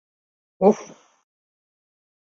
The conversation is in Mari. Уф-ф!..